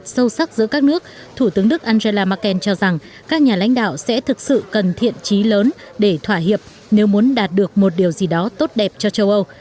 thủ tướng đức angela merkel cho rằng các nhà lãnh đạo sẽ thực sự cần thiện trí lớn để thỏa hiệp nếu muốn đạt được một điều gì đó tốt đẹp cho châu âu